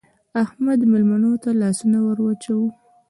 احمده! مېلمنو ته لاسونه ور واچوه.